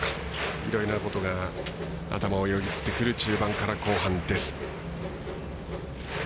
いろんなことが頭をよぎってくる中盤から後半です。